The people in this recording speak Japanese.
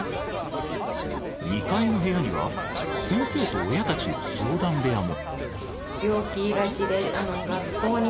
２階の部屋には先生と親たちの相談部屋も。